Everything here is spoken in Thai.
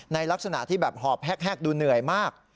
ลักษณะที่แบบหอบแฮกดูเหนื่อยมาก